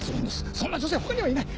そんな女性他にはいない！